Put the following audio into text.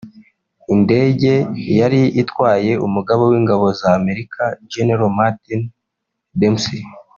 indege yari itwaye Umugaba w’Ingabo z’Amerika General Martin Dempsey